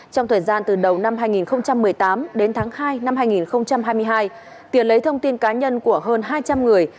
trong thời gian từ đầu năm hai nghìn một mươi tám đến tháng hai năm hai nghìn hai mươi hai tiền lấy thông tin cá nhân của hơn hai trăm linh người